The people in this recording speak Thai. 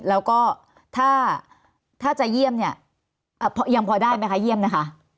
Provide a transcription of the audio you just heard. แล้วก็ถ้าจะเยี่ยมเนี่ยยังพอได้ไหมคะเยี่ยมนะคะ